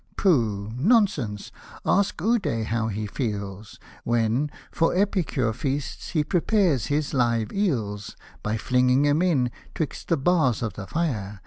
— Pooh, nonsense — ask Ude how he feels, When, for Epicure feasts, he prepares his live eels, By flinging them in, 'twixt the bars of the fire.